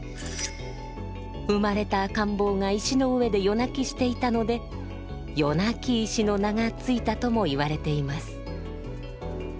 生まれた赤ん坊が石の上で夜泣きしていたので「夜泣き石」の名が付いたとも言われています。